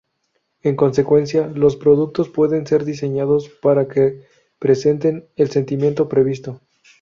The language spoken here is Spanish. En consecuencia, los productos pueden ser diseñados para que presenten el sentimiento previsto.